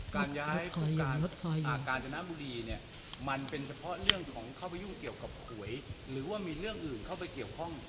การย้ายของกาญจนบุรีเนี่ยมันเป็นเฉพาะเรื่องของเข้าไปยุ่งเกี่ยวกับหวยหรือว่ามีเรื่องอื่นเข้าไปเกี่ยวข้อง